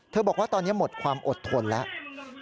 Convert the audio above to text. บอกว่าตอนนี้หมดความอดทนแล้ว